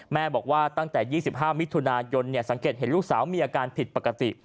แม่บอกว่าตั้งแต่๒๕มิถุนายนสังเกตเห็นลูกสาวมีอาการผิดปกติ